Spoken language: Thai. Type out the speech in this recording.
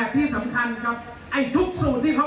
คุณวราวุฒิศิลปะอาชาหัวหน้าภักดิ์ชาติไทยพัฒนา